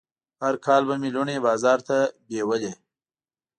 هر کال به مې لوڼې بازار ته بوولې.